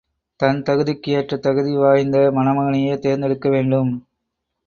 தன் தகுதிக்கு ஏற்ற தகுதி வாய்ந்த மணமகனையே தேர்ந்தெடுக்கவேண்டும்.